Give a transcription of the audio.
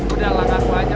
udah lah gak apa aja